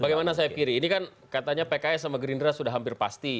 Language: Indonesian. bagaimana saif kiri ini kan katanya pks sama gerindra sudah hampir pasti